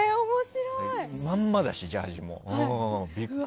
まんまだし、ジャージーも。